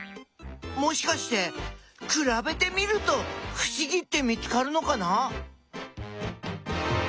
もしかしてくらべてみるとふしぎって見つかるのかな？